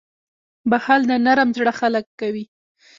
• بښل د نرم زړه خلک کوي.